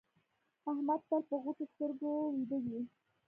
احمد تل په غټو سترګو ويده وي.